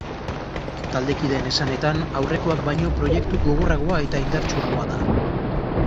Taldekideen esanetan, aurrekoak baino proiektu gogorragoa eta indartsuagoa da.